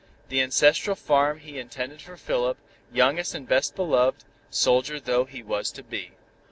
The ancestral farm he intended for Philip, youngest and best beloved, soldier though he was to be.